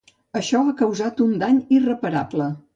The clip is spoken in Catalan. Això ha causat un dany irreparable.